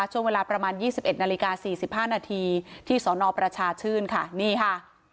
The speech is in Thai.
ช่วงเวลาประมาณยี่สิบเอ็ดนาฬิกาสี่สิบห้านาทีที่สอนอประชาชื่นค่ะนี่ค่ะ